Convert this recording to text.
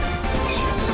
terima kasih mas